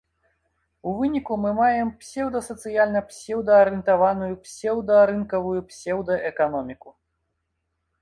У выніку мы маем псеўдасацыяльна псеўдаарыентаваную псеўдарынкавую псеўдаэканоміку.